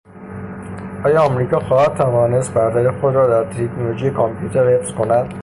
آیا امریکا خواهد توانست برتری خود را در تکنولوژی کامپیوتر حفظ کند؟